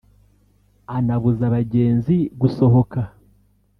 anabuza abagenzi gusohoka